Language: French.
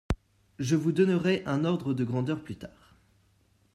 je vous donnerai un ordre de grandeur plus tard